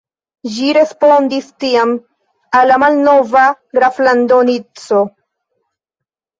Ĝi respondis tiam al la malnova graflando Nico.